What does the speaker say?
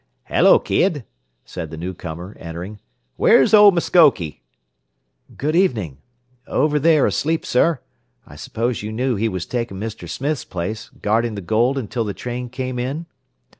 "Hello, kid," said the newcomer, entering. "Where's Old Muskoke?" "Good evening. Over there, asleep, sir. I suppose you knew he was taking Mr. Smith's place, guarding the gold until the train came in?"